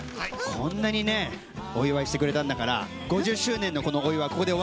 こんなにねお祝いしてくれたんだから５０周年のこのお祝いここで終わり。